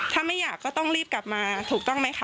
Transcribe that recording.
ถ้าไม่อยากก็ต้องรีบกลับมาถูกต้องไหมคะ